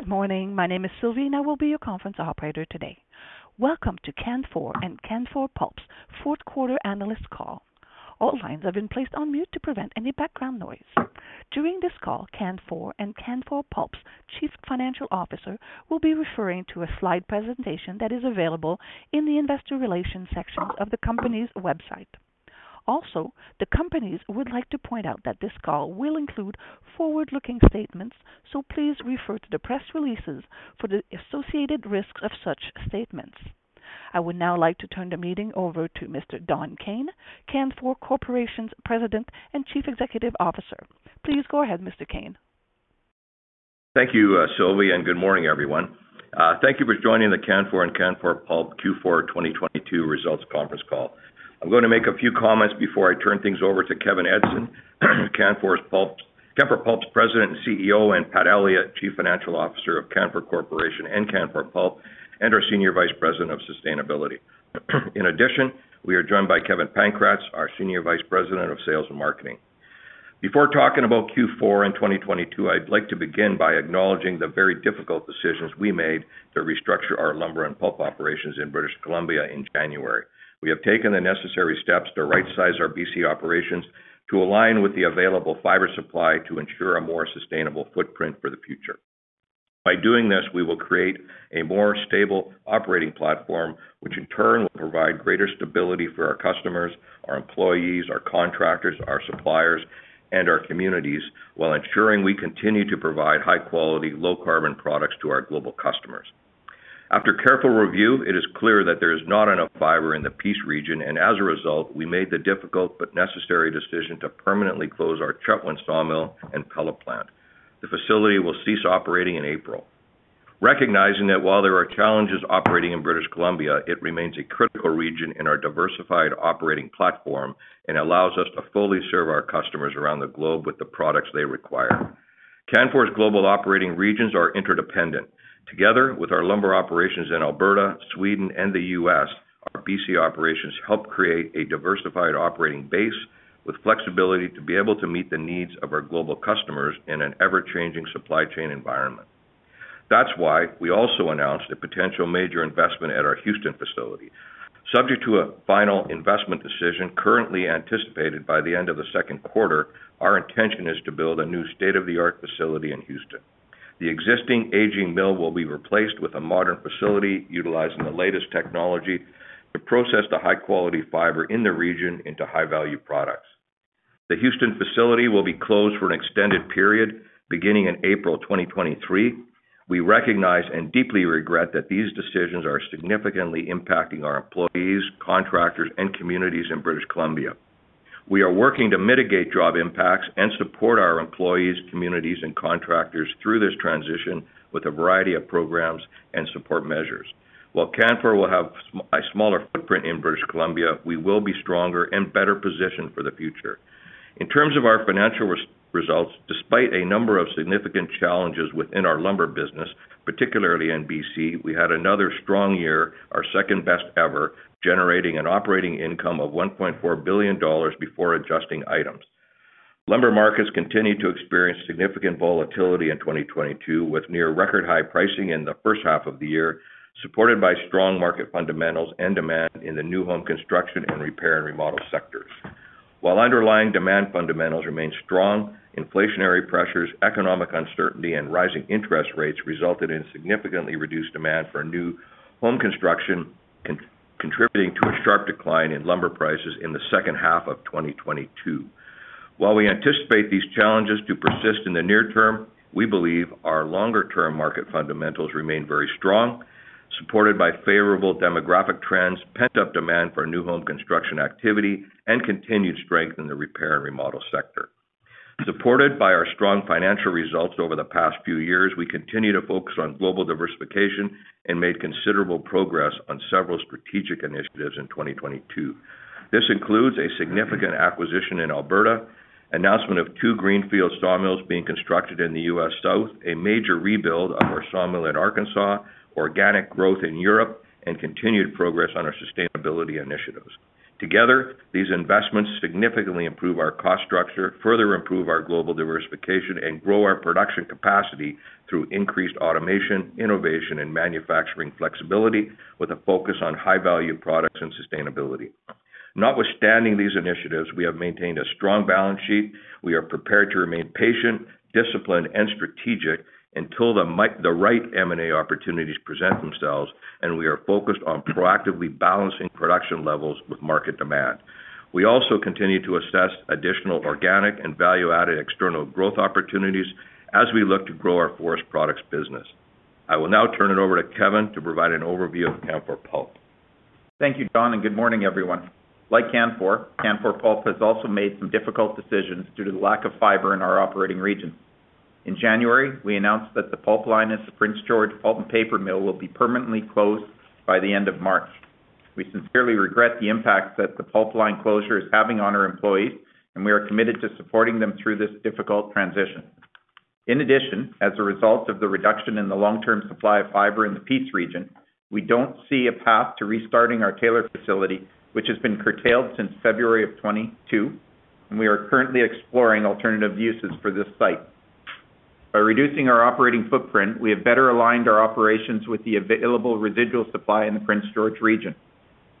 Good morning. My name is Sylvie. I will be your conference operator today. Welcome to Canfor and Canfor Pulp's Q4 analyst call. All lines have been placed on mute to prevent any background noise. During this call, Canfor and Canfor Pulp's Chief Financial Officer will be referring to a slide presentation that is available in the investor relations section of the company's website. The companies would like to point out that this call will include forward-looking statements, so please refer to the press releases for the associated risks of such statements. I would now like to turn the meeting over to Mr. Don Kayne, Canfor Corporation's President and Chief Executive Officer. Please go ahead, Mr. Kayne. Thank you, Sylvie, and good morning, everyone. Thank you for joining the Canfor and Canfor Pulp Q4 2022 Results Conference Call. I'm gonna make a few comments before I turn things over to Kevin Edgson, Canfor Pulp's President and CEO, and Pat Elliott, Chief Financial Officer of Canfor Corporation and Canfor Pulp, and our Senior Vice President of Sustainability. In addition, we are joined by Kevin Pankratz, our Senior Vice President of Sales and Marketing. Before talking about Q4 and 2022, I'd like to begin by acknowledging the very difficult decisions we made to restructure our lumber and pulp operations in British Columbia in January. We have taken the necessary steps to right-size our BC operations to align with the available fiber supply to ensure a more sustainable footprint for the future. By doing this, we will create a more stable operating platform, which in turn will provide greater stability for our customers, our employees, our contractors, our suppliers, and our communities while ensuring we continue to provide high-quality, low-carbon products to our global customers. After careful review, it is clear that there is not enough fiber in the Peace region. As a result, we made the difficult but necessary decision to permanently close our Chetwynd sawmill and pellet plant. The facility will cease operating in April. Recognizing that while there are challenges operating in British Columbia, it remains a critical region in our diversified operating platform and allows us to fully serve our customers around the globe with the products they require. Canfor's global operating regions are interdependent. Together with our lumber operations in Alberta, Sweden, and the US, our BC operations help create a diversified operating base with flexibility to be able to meet the needs of our global customers in an ever-changing supply chain environment. That's why we also announced a potential major investment at our Houston facility. Subject to a final investment decision currently anticipated by the end of the Q2, our intention is to build a new state-of-the-art facility in Houston. The existing aging mill will be replaced with a modern facility utilizing the latest technology to process the high-quality fiber in the region into high-value products. The Houston facility will be closed for an extended period beginning in April 2023. We recognize and deeply regret that these decisions are significantly impacting our employees, contractors, and communities in British Columbia. We are working to mitigate job impacts and support our employees, communities, and contractors through this transition with a variety of programs and support measures. While Canfor will have a smaller footprint in British Columbia, we will be stronger and better positioned for the future. In terms of our financial results, despite a number of significant challenges within our lumber business, particularly in BC, we had another strong year, our second best ever, generating an operating income of 1.4 billion dollars before adjusting items. Lumber markets continued to experience significant volatility in 2022, with near record high pricing in the H1 of the year, supported by strong market fundamentals and demand in the new home construction and repair and remodel sectors. While underlying demand fundamentals remain strong, inflationary pressures, economic uncertainty, and rising interest rates resulted in significantly reduced demand for new home construction, contributing to a sharp decline in lumber prices in the H2 of 2022. We anticipate these challenges to persist in the near term, we believe our longer-term market fundamentals remain very strong, supported by favorable demographic trends, pent-up demand for new home construction activity, and continued strength in the repair and remodel sector. Supported by our strong financial results over the past few years, we continue to focus on global diversification and made considerable progress on several strategic initiatives in 2022. This includes a significant acquisition in Alberta, announcement of two greenfield sawmills being constructed in the US South, a major rebuild of our sawmill in Arkansas, organic growth in Europe, and continued progress on our sustainability initiatives. Together, these investments significantly improve our cost structure, further improve our global diversification, and grow our production capacity through increased automation, innovation, and manufacturing flexibility with a focus on high-value products and sustainability. Notwithstanding these initiatives, we have maintained a strong balance sheet. We are prepared to remain patient, disciplined, and strategic until the right M&A opportunities present themselves, and we are focused on proactively balancing production levels with market demand. We also continue to assess additional organic and value-added external growth opportunities as we look to grow our forest products business. I will now turn it over to Kevin to provide an overview of Canfor Pulp. Thank you, Don. Good morning, everyone. Like Canfor Pulp has also made some difficult decisions due to the lack of fiber in our operating region. In January, we announced that the pulp line at the Prince George Pulp and Paper mill will be permanently closed by the end of March. We sincerely regret the impact that the pulp line closure is having on our employees. We are committed to supporting them through this difficult transition. In addition, as a result of the reduction in the long-term supply of fiber in the Peace region, we don't see a path to restarting our Taylor facility, which has been curtailed since February of 2022. We are currently exploring alternative uses for this site. By reducing our operating footprint, we have better aligned our operations with the available residual supply in the Prince George region.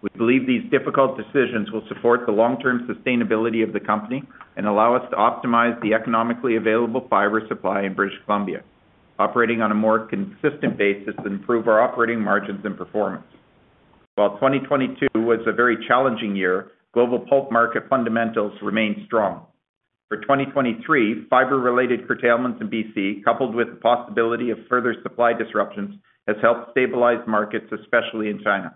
We believe these difficult decisions will support the long-term sustainability of the company and allow us to optimize the economically available fiber supply in British Columbia, operating on a more consistent basis to improve our operating margins and performance. While 2022 was a very challenging year, global pulp market fundamentals remain strong. For 2023, fiber-related curtailments in BC, coupled with the possibility of further supply disruptions, has helped stabilize markets, especially in China.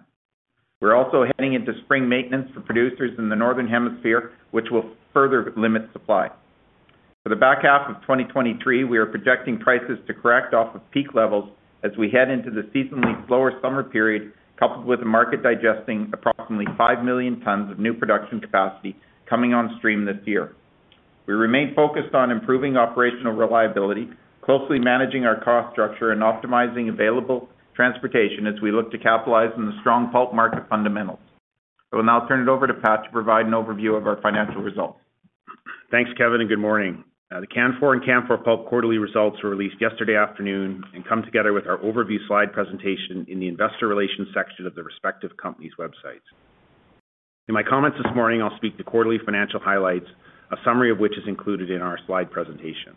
We're also heading into spring maintenance for producers in the Northern Hemisphere, which will further limit supply. For the back half of 2023, we are projecting prices to correct off of peak levels as we head into the seasonally slower summer period, coupled with the market digesting approximately 5 million tons of new production capacity coming on stream this year. We remain focused on improving operational reliability, closely managing our cost structure, and optimizing available transportation as we look to capitalize on the strong pulp market fundamentals. I will now turn it over to Pat to provide an overview of our financial results. Thanks, Kevin. Good morning. The Canfor and Canfor Pulp quarterly results were released yesterday afternoon and come together with our overview slide presentation in the investor relations section of the respective company's websites. In my comments this morning, I'll speak to quarterly financial highlights, a summary of which is included in our slide presentation.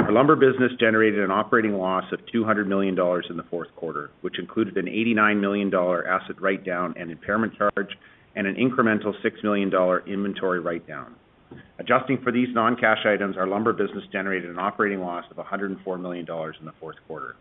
Our lumber business generated an operating loss of 200 million dollars in the Q4, which included a 89 million dollar asset write-down and impairment charge and an incremental 6 million dollar inventory write-down. Adjusting for these non-cash items, our lumber business generated an operating loss of 104 million dollars in the Q4.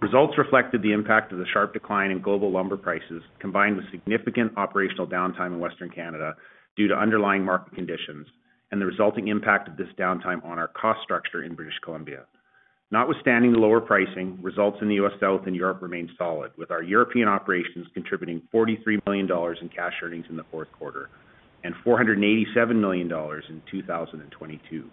Results reflected the impact of the sharp decline in global lumber prices, combined with significant operational downtime in Western Canada due to underlying market conditions and the resulting impact of this downtime on our cost structure in British Columbia. Notwithstanding the lower pricing, results in the US South and Europe remain solid, with our European operations contributing 43 million dollars in cash earnings in the Q4 and 487 million dollars in 2022.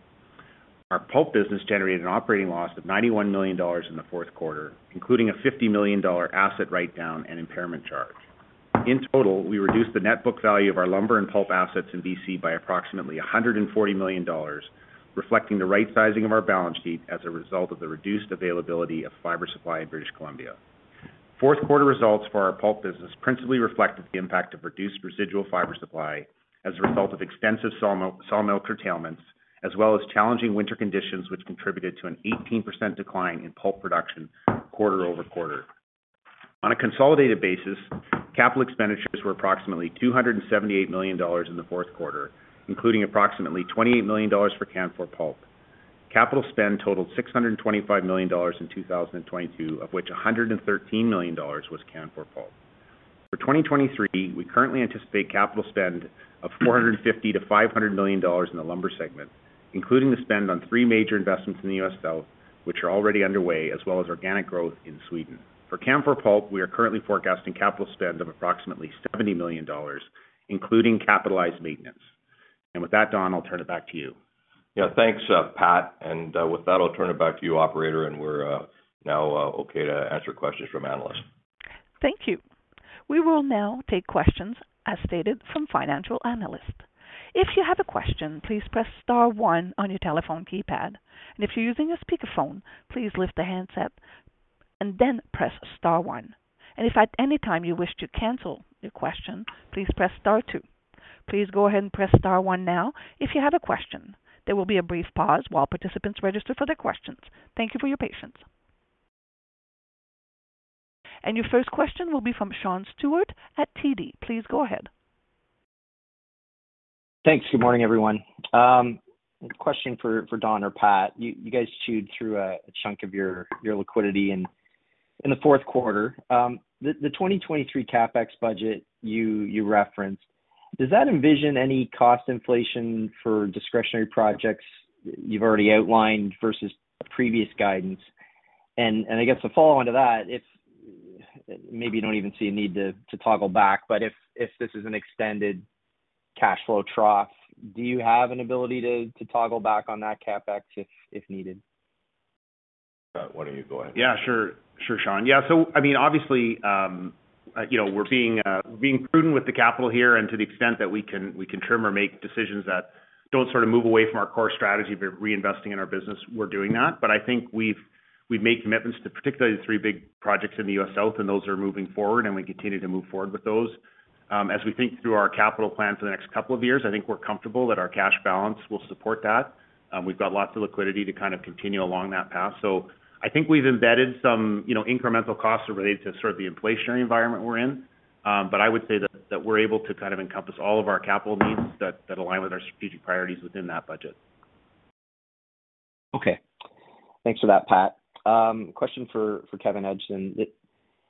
Our pulp business generated an operating loss of 91 million dollars in the Q4, including a 50 million dollar asset write-down and impairment charge. In total, we reduced the net book value of our lumber and pulp assets in BC by approximately 140 million dollars, reflecting the right-sizing of our balance sheet as a result of the reduced availability of fiber supply in British Columbia. Q4 results for our pulp business principally reflected the impact of reduced residual fiber supply as a result of extensive sawmill curtailments, as well as challenging winter conditions, which contributed to an 18% decline in pulp production quarter-over-quarter. On a consolidated basis, capital expenditures were approximately 278 million dollars in the Q4, including approximately 28 million dollars for Canfor Pulp. Capital spend totaled 625 million dollars in 2022, of which 113 million dollars was Canfor Pulp. For 2023, we currently anticipate capital spend of 450 million-500 million dollars in the lumber segment, including the spend on three major investments in the US South, which are already underway, as well as organic growth in Sweden. For Canfor Pulp, we are currently forecasting capital spend of approximately 70 million dollars, including capitalized maintenance. With that, Don, I'll turn it back to you. Yeah, thanks, Pat. With that, I'll turn it back to you, operator, and we're now okay to answer questions from analysts. Thank you. We will now take questions, as stated, from financial analysts. If you have a question, please press star one on your telephone keypad. If you're using a speakerphone, please lift the handset and then press star one. If at any time you wish to cancel your question, please press star two. Please go ahead and press star one now if you have a question. There will be a brief pause while participants register for their questions. Thank you for your patience. Your first question will be from Sean Steuart at TD. Please go ahead. Thanks. Good morning, everyone. Question for Don or Pat? You guys chewed through a chunk of your liquidity in the Q4. The 2023 CapEx budget you referenced, does that envision any cost inflation for discretionary projects you've already outlined versus previous guidance? I guess the follow-on to that, if maybe you don't even see a need to toggle back, but if this is an extended cash flow trough, do you have an ability to toggle back on that CapEx if needed? Pat, why don't you go ahead? Sure. Sure, Sean. I mean, obviously, you know, we're being prudent with the capital here and to the extent that we can, we can trim or make decisions that don't sort of move away from our core strategy of reinvesting in our business, we're doing that. I think we've made commitments to particularly the three big projects in the US South, and those are moving forward, and we continue to move forward with those. As we think through our capital plan for the next couple of years, I think we're comfortable that our cash balance will support that. We've got lots of liquidity to kind of continue along that path. I think we've embedded some, you know, incremental costs related to sort of the inflationary environment we're in. I would say that we're able to kind of encompass all of our capital needs that align with our strategic priorities within that budget. Okay. Thanks for that, Pat. Question for Kevin Edgson.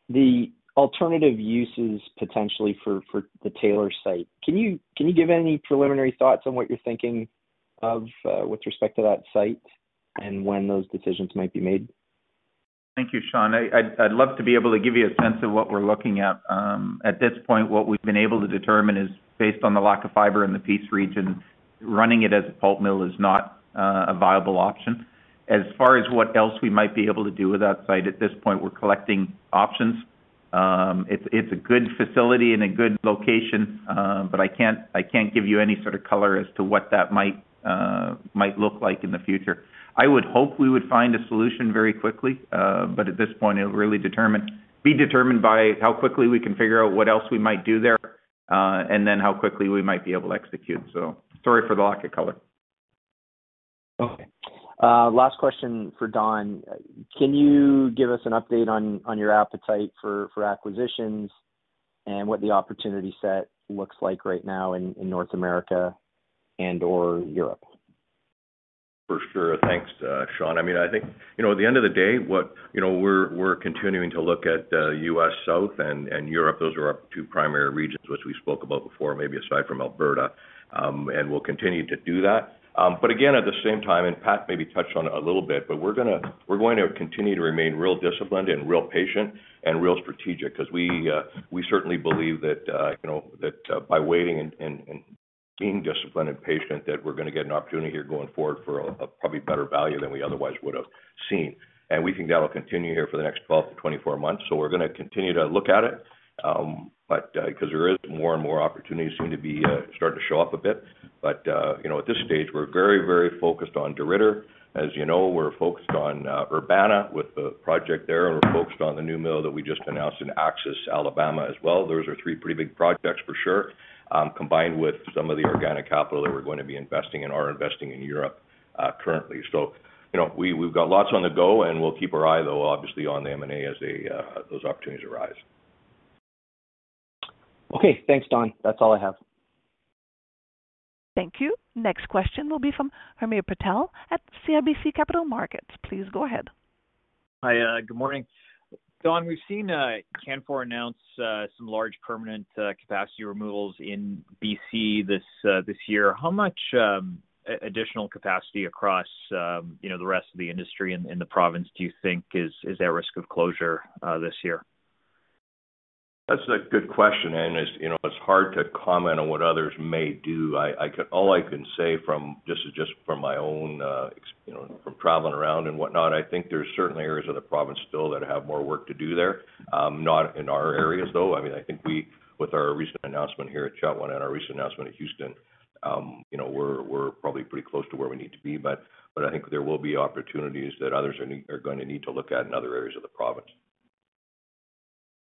The alternative uses potentially for the Taylor site, can you give any preliminary thoughts on what you're thinking of with respect to that site and when those decisions might be made? Thank you, Sean. I'd love to be able to give you a sense of what we're looking at. At this point, what we've been able to determine is based on the lack of fiber in the Peace region, running it as a pulp mill is not a viable option. As far as what else we might be able to do with that site, at this point, we're collecting options. It's, it's a good facility and a good location, but I can't, I can't give you any sort of color as to what that might might look like in the future. I would hope we would find a solution very quickly, but at this point, it'll really be determined by how quickly we can figure out what else we might do there, and then how quickly we might be able to execute. Sorry for the lack of color. Okay. last question for Don. Can you give us an update on your appetite for acquisitions and what the opportunity set looks like right now in North America and/or Europe? For sure. Thanks, Sean. I mean, I think, you know, at the end of the day, what. You know, we're continuing to look at US South and Europe. Those are our two primary regions, which we spoke about before, maybe aside from Alberta, and we'll continue to do that. But again, at the same time, and Pat maybe touched on it a little bit, but we're going to continue to remain real disciplined and real patient and real strategic because we certainly believe that, you know, that by waiting and being disciplined and patient, that we're going to get an opportunity here going forward for a probably better value than we otherwise would have seen. We think that'll continue here for the next 12-24 months. We're gonna continue to look at it, but, 'cause there is more and more opportunities seem to be starting to show up a bit. You know, at this stage, we're very, very focused on DeRidder. As you know, we're focused on Urbana with the project there, and we're focused on the new mill that we just announced in Axis, Alabama, as well. Those are three pretty big projects for sure, combined with some of the organic capital that we're going to be investing and are investing in Europe, currently. You know, we've got lots on the go, and we'll keep our eye, though, obviously on the M&A as those opportunities arise. Okay. Thanks, Don. That's all I have. Thank you. Next question will be from Hamir Patel at CIBC Capital Markets. Please go ahead. Hi. good morning. Don, we've seen Canfor announce some large permanent capacity removals in BC this this year. How much additional capacity across, you know, the rest of the industry in the province do you think is at risk of closure this year? That's a good question. It's, you know, it's hard to comment on what others may do. All I can say, this is just from my own, you know, from traveling around and whatnot, I think there's certainly areas of the province still that have more work to do there. Not in our areas, though. I mean, I think we, with our recent announcement here at Chetwynd and our recent announcement at Houston, you know, we're probably pretty close to where we need to be. I think there will be opportunities that others are gonna need to look at in other areas of the province.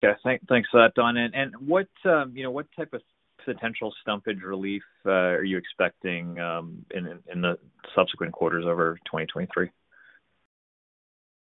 Yeah. Thanks for that, Don. What, you know, what type of potential countervailing duty relief are you expecting in the subsequent quarters over 2023?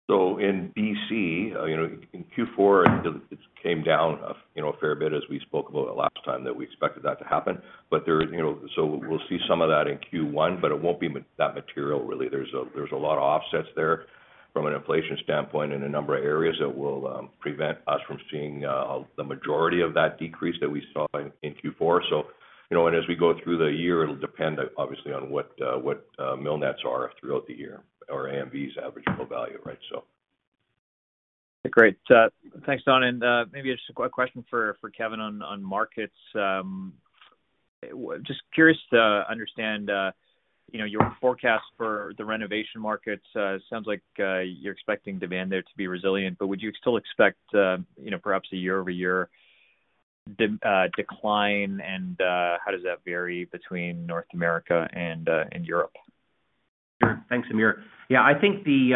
In B.C., you know, in Q4, it came down a fair bit as we spoke about it last time that we expected that to happen. There, you know. We'll see some of that in Q1, but it won't be that material really. There's a lot of offsets there from an inflation standpoint in a number of areas that will prevent us from seeing the majority of that decrease that we saw in Q4. You know, as we go through the year, it'll depend obviously on what mill nets are throughout the year or AMV's average mill value, right? Great. Thanks, Don. Maybe just a question for Kevin on markets. Just curious to understand, you know, your forecast for the renovation markets. It sounds like you're expecting demand there to be resilient, but would you still expect, you know, perhaps a year-over-year decline? How does that vary between North America and Europe? Sure. Thanks, Hamir. Yeah, I think the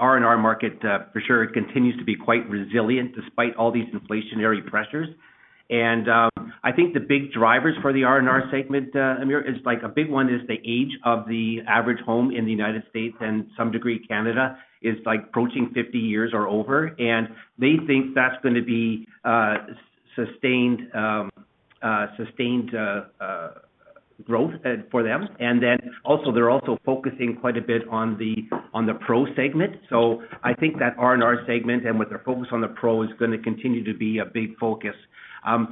R&R market, for sure continues to be quite resilient despite all these inflationary pressures. I think the big drivers for the R&R segment, Hamir, is like a big one is the age of the average home in the US and some degree Canada is, like, approaching 50 years or over, and they think that's gonna be sustained growth for them. They're also focusing quite a bit on the, on the pro segment. I think that R&R segment and with their focus on the pro is gonna continue to be a big focus.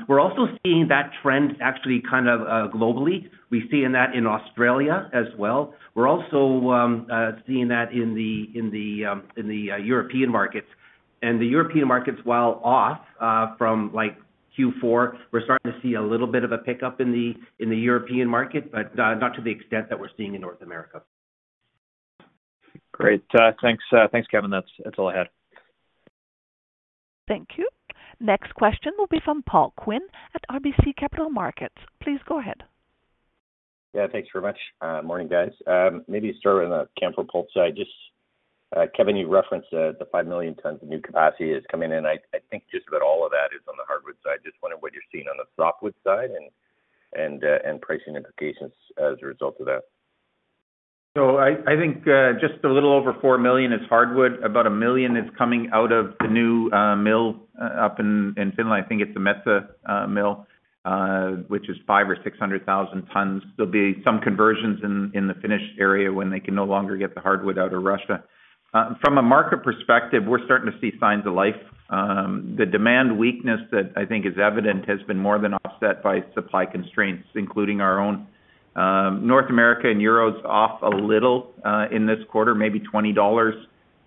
We're also seeing that trend actually kind of, globally. We're seeing that in Australia as well. We're also seeing that in the European markets. The European markets, while off from, like Q4, we're starting to see a little bit of a pickup in the European market, but not to the extent that we're seeing in North America. Great. Thanks. Thanks, Kevin. That's all I had. Thank you. Next question will be from Paul Quinn at RBC Capital Markets. Please go ahead. Yeah, thanks very much. Morning, guys. Maybe start on the Canfor Pulp side. Just Kevin, you referenced the 5 million tons of new capacity is coming in. I think just about all of that is on the hardwood side. Just wondering what you're seeing on the softwood side and pricing implications as a result of that? I think, just a little over 4 million is hardwood. About 1 million is coming out of the new mill up in Finland. I think it's the Metsä mill, which is 500,000-600,000 tons. There'll be some conversions in the finished area when they can no longer get the hardwood out of Russia. From a market perspective, we're starting to see signs of life. The demand weakness that I think is evident has been more than offset by supply constraints, including our own. North America and Euro is off a little in this quarter, maybe $20,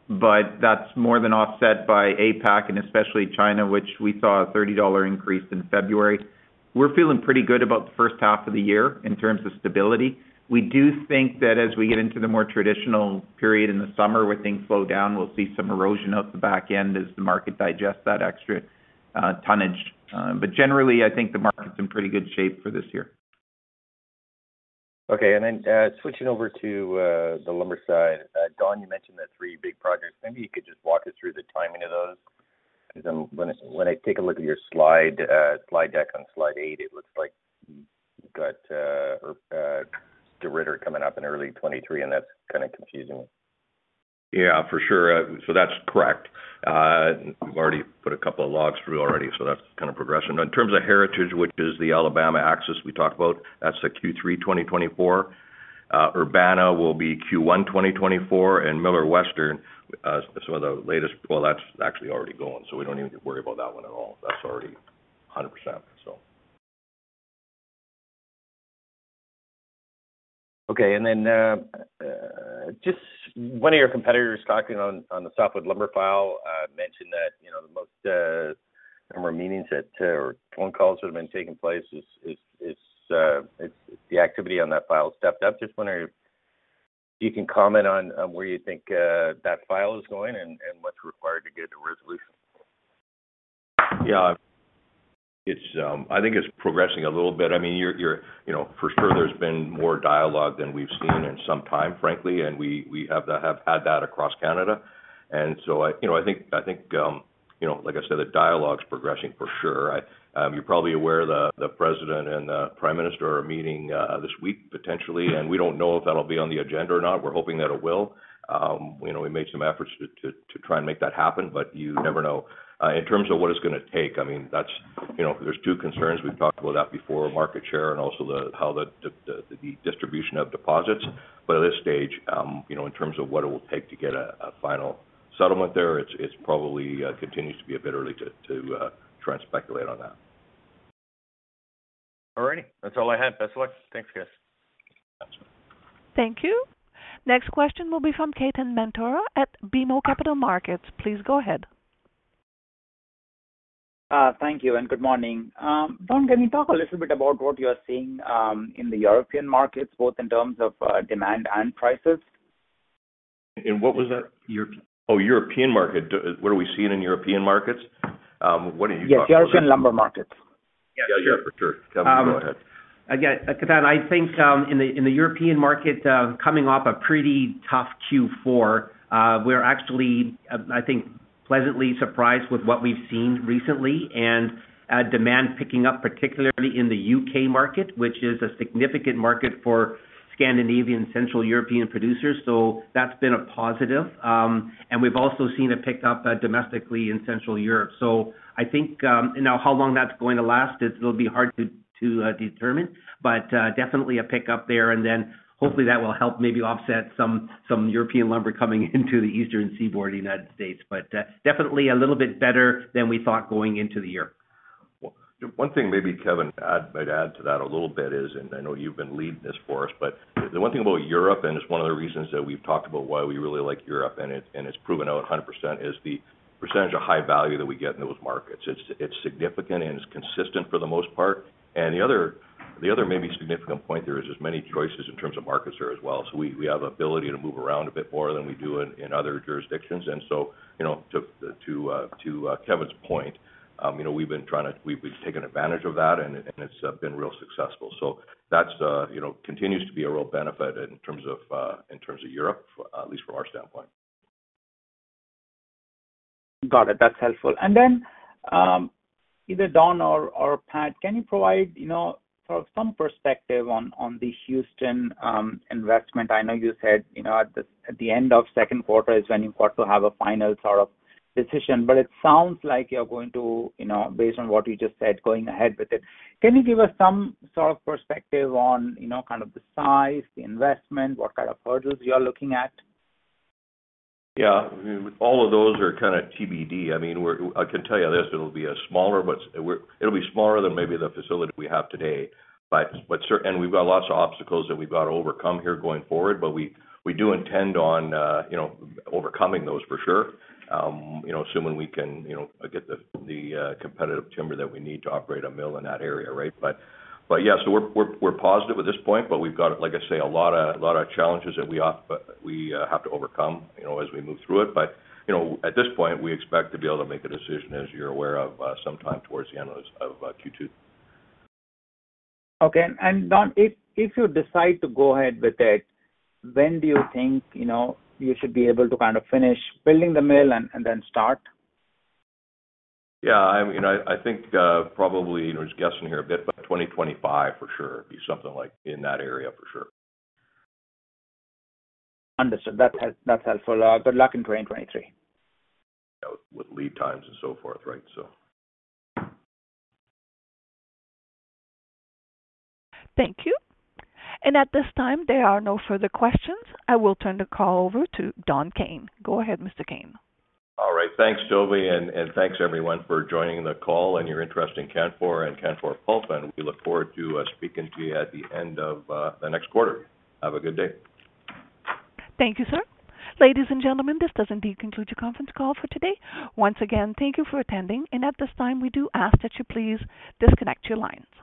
but that's more than offset by APAC and especially China, which we saw a $30 increase in February. We're feeling pretty good about the H1 of the year in terms of stability. We do think that as we get into the more traditional period in the summer where things slow down, we'll see some erosion out the back end as the market digests that extra tonnage. Generally, I think the market's in pretty good shape for this year. Okay. Then, switching over to the lumber side. Don Kayne, you mentioned the three big projects. Maybe you could just walk us through the timing of those. Because when I, when I take a look at your slide deck on slide 8, it looks like you got, or, DeRidder coming up in early 2023, and that's kinda confusing. Yeah, for sure. That's correct. We've already put a couple of logs through already, so that's kind of progressing. In terms of Heritage, which is the Alabama access we talked about, that's the Q3 2024. Urbana will be Q1 2024. Millar Western, Well, that's actually already gone, so we don't even worry about that one at all. That's already 100%, so. Okay. Just one of your competitors talking on the softwood lumber file, mentioned that, you know, the most number of meetings that, or phone calls that have been taking place is the activity on that file stepped up. Just wondering if you can comment on where you think that file is going and what's required to get a resolution? Yeah. It's, I think it's progressing a little bit. I mean, you're, you know, for sure there's been more dialogue than we've seen in some time, frankly, and we have to have had that across Canada. I, you know, I think, you know, like I said, the dialogue's progressing for sure. I, you're probably aware the President and the Prime Minister are meeting this week, potentially, and we don't know if that'll be on the agenda or not. We're hoping that it will. You know, we made some efforts to try and make that happen, but you never know. In terms of what it's gonna take, I mean, that's, you know, there's two concerns. We've talked about that before, market share and also how the distribution of deposits. At this stage, you know, in terms of what it will take to get a final settlement there, it's probably continues to be a bit early to try and speculate on that. All righty. That's all I had. Best luck. Thanks, guys. Absolutely. Thank you. Next question will be from Ketan Mamtora at BMO Capital Markets. Please go ahead. Thank you and good morning. Don, can you talk a little bit about what you are seeing in the European markets, both in terms of demand and prices? What was that? European. Oh, European market. What are we seeing in European markets? What are you talking about? Yes, European lumber markets. Yeah, sure, for sure. Kevin, go ahead. Again, Ketan, I think, in the European market, coming off a pretty tough Q4, we're actually, I think, pleasantly surprised with what we've seen recently and demand picking up, particularly in the UK market, which is a significant market for Scandinavian, Central European producers. That's been a positive. We've also seen a pickup domestically in Central Europe. I think, now how long that's going to last, it'll be hard to determine, but definitely a pickup there. Hopefully that will help maybe offset some European lumber coming into the Eastern Seaboard of the United States. Definitely a little bit better than we thought going into the year. One thing maybe, Kevin, I'd add to that a little bit is, and I know you've been leading this for us, but the one thing about Europe, and it's one of the reasons that we've talked about why we really like Europe and it's proven out 100%, is the percentage of high value that we get in those markets. It's significant and it's consistent for the most part. The other maybe significant point there is there's many choices in terms of markets there as well. We have ability to move around a bit more than we do in other jurisdictions. You know, to Kevin's point, you know, We've taken advantage of that and it's been real successful. That's, you know, continues to be a real benefit in terms of, in terms of Europe, at least from our standpoint. Got it. That's helpful. Either Don or Pat, can you provide, you know, sort of some perspective on the Houston investment? I know you said, you know, at the end of second quarter is when you ought to have a final sort of decision, but it sounds like you're going to, you know, based on what you just said, going ahead with it. Can you give us some sort of perspective on, you know, kind of the size, the investment, what kind of hurdles you are looking at? Yeah. All of those are kinda TBD. I mean, I can tell you this: It'll be a smaller, but It'll be smaller than maybe the facility we have today. And we've got lots of obstacles that we've got to overcome here going forward, but we do intend on, you know, overcoming those for sure. You know, assuming we can, you know, get the competitive timber that we need to operate a mill in that area, right? Yeah, so we're positive at this point, but we've got, like I say, a lot of challenges that we have to overcome, you know, as we move through it you know, at this point, we expect to be able to make a decision, as you're aware of, sometime towards the end of Q2. Okay. Don, if you decide to go ahead with it, when do you think, you know, you should be able to kind of finish building the mill and then start? Yeah, I'm, you know, I think, probably, you know, just guessing here a bit, but 2025 for sure. It'd be something like in that area for sure. Understood. That's helpful. Good luck in 2023. You know, with lead times and so forth, right? Thank you. At this time, there are no further questions. I will turn the call over to Don Kayne. Go ahead, Mr. Kayne. All right. Thanks, Toby, and thanks everyone for joining the call and your interest in Canfor and Canfor Pulp, and we look forward to speaking to you at the end of the next quarter. Have a good day. Thank you, sir. Ladies and gentlemen, this does indeed conclude your conference call for today. Once again, thank you for attending. At this time, we do ask that you please disconnect your lines.